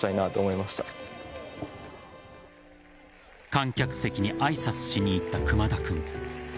観客席に挨拶しに行った熊田君。